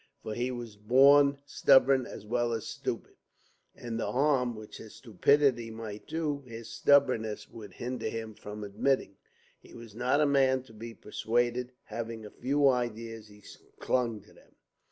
For he was born stubborn as well as stupid; and the harm which his stupidity might do, his stubbornness would hinder him from admitting. He was not a man to be persuaded; having few ideas, he clung to them.